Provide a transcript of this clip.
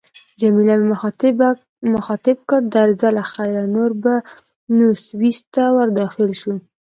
جميله مې مخاطب کړ: درځه له خیره، نور به نو سویس ته ورداخل شو.